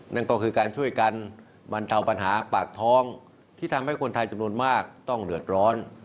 นั่นก็คือการช่วยกันบรรเทาปัญหาปากท้องที่ทำให้คนไทยจำนวนมากต้องเดือดร้อน